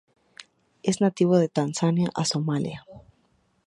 Es nativo de Tanzania a Somalia.